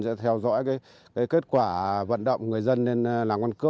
sẽ theo dõi cái kết quả vận động người dân lên làng quán cước